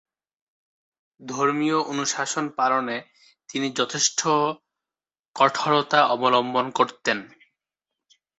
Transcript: ধর্মীয় অনুশাসন পালনে তিনি যথেষ্ট কঠোরতা অবলম্বন করতেন।